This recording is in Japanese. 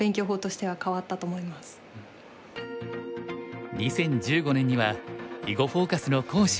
２０１５年には「囲碁フォーカス」の講師を担当。